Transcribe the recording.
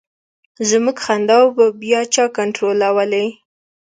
زمونږ خنداوې به بیا چا کنټرولولې.